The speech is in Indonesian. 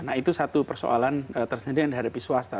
nah itu satu persoalan tersendiri yang dihadapi swasta